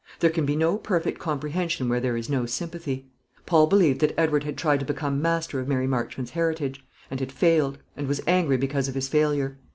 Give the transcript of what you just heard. There can be no perfect comprehension where there is no sympathy. Paul believed that Edward had tried to become master of Mary Marchmont's heritage; and had failed; and was angry because of his failure.